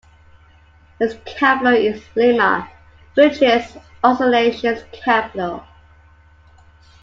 Its capital is Lima, which is also the nation's capital.